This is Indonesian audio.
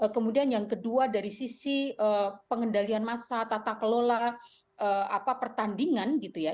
kemudian yang kedua dari sisi pengendalian massa tata kelola pertandingan gitu ya